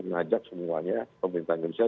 mengajak semuanya pemerintah indonesia